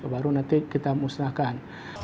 baru nanti kita musnahkan